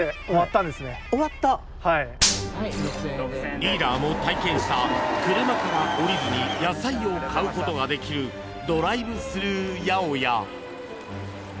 リーダーも体験した車から降りずに野菜を買うことができるドライブスルー八百屋。